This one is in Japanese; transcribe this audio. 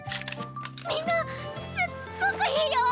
みんなすっごくいいよ！